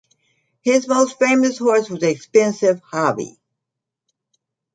His most famous horse was Expensive Hobby.